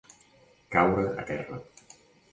Caure a terra.